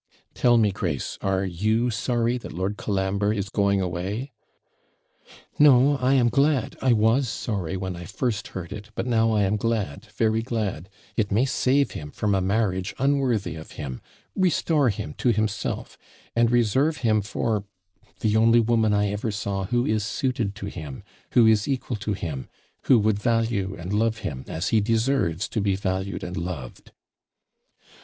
'Tell me, Grace, are you sorry that Lord Colambre is going away?' 'No, I am glad. I was sorry when I first heard it; but now I am glad, very glad; it may save him from a marriage unworthy of him, restore him to himself, and reserve him for the only woman I ever saw who is suited to him, who is equal to him, who would value and love him, as he deserves to be valued and loved.'